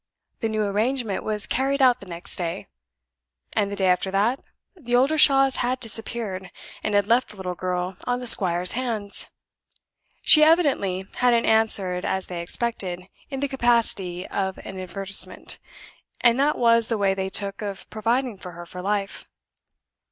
The new arrangement was carried out the next day. And the day after that, the Oldershaws had disappeared, and had left the little girl on the squire's hands! She evidently hadn't answered as they expected in the capacity of an advertisement, and that was the way they took of providing for her for life.